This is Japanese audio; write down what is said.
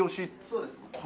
そうですね。